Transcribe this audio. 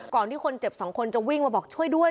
ที่คนเจ็บสองคนจะวิ่งมาบอกช่วยด้วย